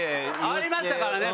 ありましたからね。